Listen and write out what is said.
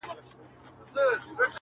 • څه خو راته وايي ګړوي چي نیمه ژبه -